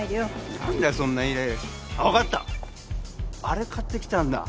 あれ買ってきたんだ。